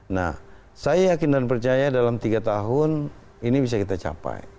nah saya yakin dan percaya dalam tiga tahun ini bisa kita capai